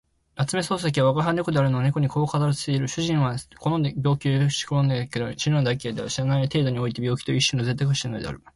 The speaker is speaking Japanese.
夏目漱石は吾輩は猫であるの猫にこう語らせている。主人は好んで病気をし喜んでいるけど、死ぬのは大嫌いである。死なない程度において病気という一種の贅沢がしたいのである。